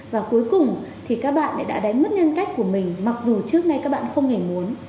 và cuối cùng thì các bạn đã đánh mất nhân cách của mình mặc dù trước nay các bạn không hề muốn